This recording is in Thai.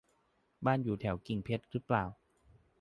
บ้านอยู่แถวกิ่งเพชรรึเปล่า